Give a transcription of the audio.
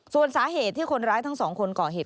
ส่วนสาเหตุที่คนร้ายทั้งสองคนก่อเหตุ